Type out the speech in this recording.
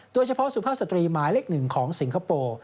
โดยเฉพาะสุภาพสตรีหมายเลข๑ของสิงคโปร์